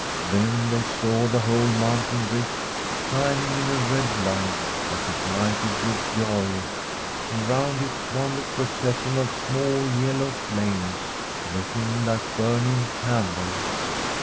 Then they saw the whole mountain ridge shining in a red light as if lighted with joy, and round it wound a pro cession of small yellow flames, looking like burning candles.